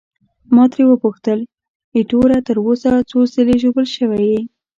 ما ترې وپوښتل: ایټوره، تر اوسه څو ځلي ژوبل شوی یې؟